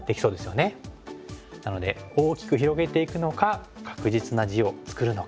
なので大きく広げていくのか確実な地を作るのか。